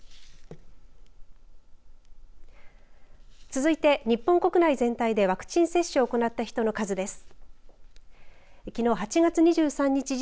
続いて、日本国内全体でワクチン接種を行った人の数です。